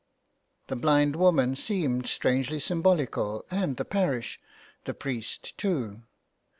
The blind woman seemed strangely symbolical and the parish, the priest too.